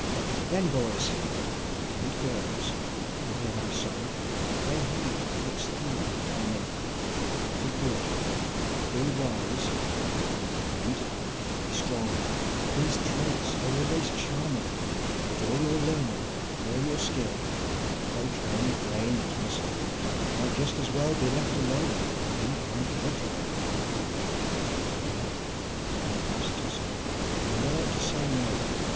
Then boys and girls who hear my song, Pray heed its theme alarming: Be good, be wise, be kind, be strong These traits are always charming, But all your learning, all your skill With well trained brain and muscle, Might just as well be left alone, If you can't cultivate backbone To help you in life's tussle, And learn to say "No!"